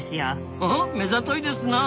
ふふ目ざといですなあ。